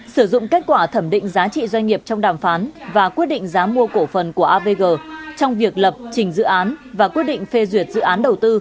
sử dụng kết quả thẩm định giá trị doanh nghiệp trong đàm phán và quyết định giá mua cổ phần của avg trong việc lập trình dự án và quyết định phê duyệt dự án đầu tư